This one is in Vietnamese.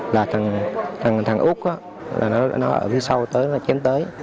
là thằng út nó ở phía sau tới nó chém tới